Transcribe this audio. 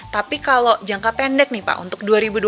tapi kalau jangka pendek nih pak untuk dua ribu dua puluh